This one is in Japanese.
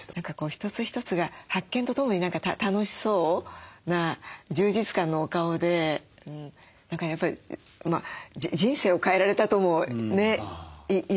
一つ一つが発見とともに楽しそうな充実感のお顔で何かやっぱり人生を変えられたともね言っていいと。